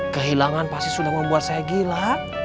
kehilangan pasti sudah membuat saya gila